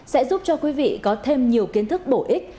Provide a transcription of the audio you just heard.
sẽ giúp cho quý vị có thêm nhiều kiến thức bổ ích